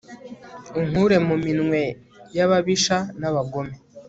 unkure mu minwe y'ababisha n'abagome